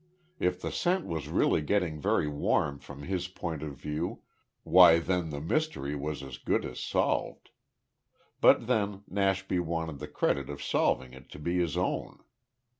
If the scent was really getting very warm from his point of view, why then the mystery was as good as solved. But then, Nashby wanted the credit of solving it to be his own.